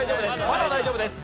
まだ大丈夫です。